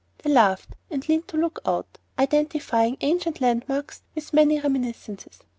They laughed and leaned to look out, identifying ancient landmarks with many reminiscences.